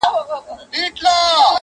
د زاهد به په خلوت کي اور په کور وي،